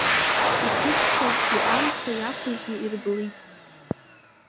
Иҭыҵхьазгьы амца иақәыжьны ирблит.